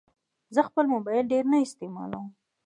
زه خپل موبایل ډېر نه استعمالوم.